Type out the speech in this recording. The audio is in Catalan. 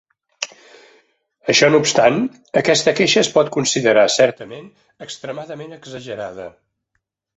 Això no obstant, aquesta queixa es pot considerar certament extremadament exagerada.